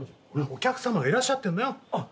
お客さまがいらっしゃってるのよ。